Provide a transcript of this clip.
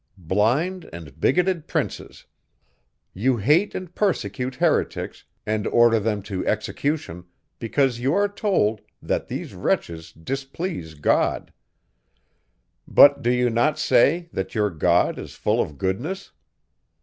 Blind and bigoted princes! You hate and persecute heretics, and order them to execution, because you are told, that these wretches displease God. But do you not say, that your God is full of goodness?